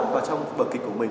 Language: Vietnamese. vào trong bộ kịch của mình